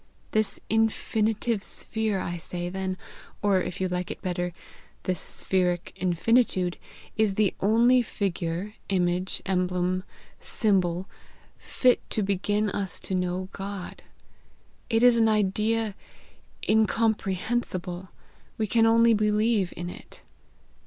This infinitive sphere, I say then, or, if you like it better, this spheric infinitude, is the only figure, image, emblem, symbol, fit to begin us to know God; it is an idea incomprehensible; we can only believe in it.